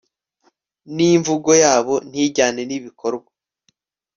n'imvugo yabo ntijyane n'ibikorwa